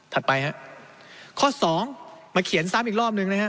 ถัดไปครับข้อ๒มาเขียนซ้ำอีกรอบนึงนะครับ